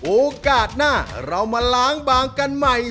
โอกาสหน้าเรามาล้างบางกันใหม่